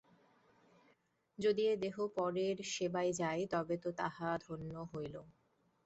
যদি এ দেহ পরের সেবায় যায়, তবে তো ইহা ধন্য হইল।